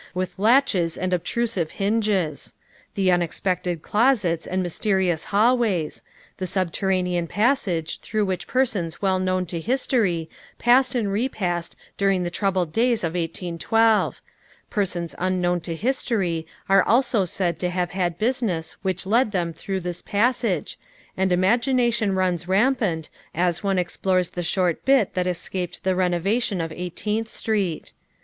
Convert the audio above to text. with latches and obtrusive hinges ; the unexpected closets and mysterious hallways; the subterranean pas sage through which persons well known to history passed and repassed during the troubled days of 1812 ; persons unknown to history are also said to have had business which led them through this passage, and imagination runs rampant as one explores the short bit that escaped the renovation of Eighteenth Street.